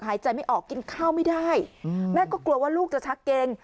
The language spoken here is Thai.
หายใจไม่ออกกินข้าวไม่ได้แม่ก็กลัวว่าลูกจะชักเกรง